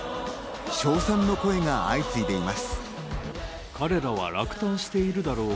称賛の声が相次いでいます。